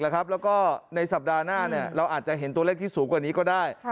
แล้วก็ในสัปดาห์หน้าเราอาจจะเห็นตัวเลขที่สูงกว่านี้ก็ได้